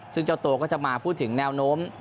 ซึ่งเจ้าตัวก็จะมาพูดถึงแนวโน้ม